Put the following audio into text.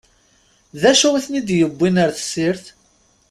D acu i ten-id-yewwin ar tessirt?